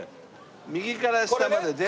右から下まで全部。